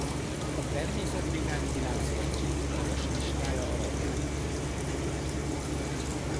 A Természetvédelmi Világszövetség Vörös Listája alapján nem fenyegetett.